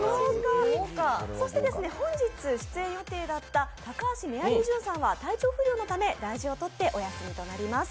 そして本日出演予定だった高橋メアリージュンさんは体調不良のため大事をとってお休みとなります。